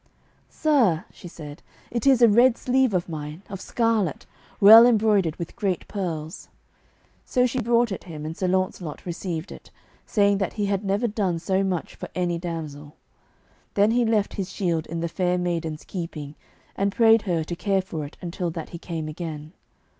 "Sir," she said, "it is a red sleeve of mine, of scarlet, well embroidered with great pearls." So she brought it him, and Sir Launcelot received it, saying that he had never done so much for any damsel. Then he left his shield in the fair maiden's keeping, and prayed her to care for it until that he came again.